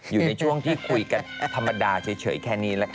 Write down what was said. อยู่ในช่วงที่คุยกันธรรมดาเฉยแค่นี้แหละค่ะ